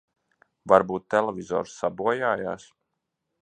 Varbūt televizors sabojājās.